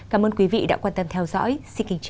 cảm ơn quý vị đã quan tâm theo dõi xin kính chào và hẹn gặp lại